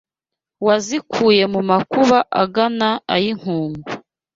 Wazikuye mu makuba Angana ay’i Nkungu